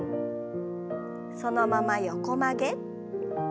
そのまま横曲げ。